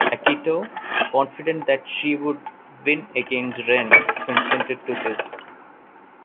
Akito, confident that she would win against Ren, consented to this.